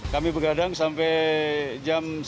kami bergadang sampai jam